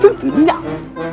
ini tidak baik